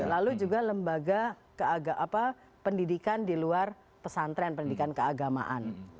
lalu juga lembaga pendidikan di luar pesantren pendidikan keagamaan